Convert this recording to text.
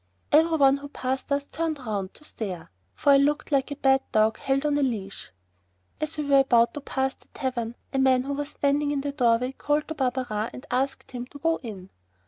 Every one who passed us turned round to stare, for I looked like a bad dog held on a leash. As we were about to pass the tavern, a man who was standing in the doorway called to Barberin and asked him to go in.